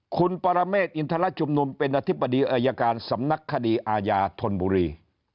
คุณปรเมฆอินทรชุมนุมเป็นอธิบดีอายการสำนักคดีอาญาธนบุรี